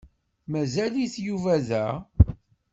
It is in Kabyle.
Mazal-it Yuba da?